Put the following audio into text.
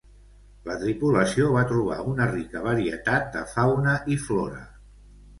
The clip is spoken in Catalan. La tripulació va trobar una rica varietat de fauna i flora.